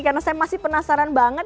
karena saya masih penasaran banget